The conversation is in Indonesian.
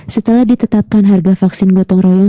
setelah ditetapkan harga vaksin gotong royong